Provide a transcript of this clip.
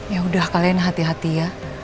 ya udah kalian hati hati ya